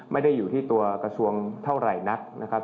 ไม่ได้อยู่ที่ตัวกระทรวงเท่าไหร่นักนะครับ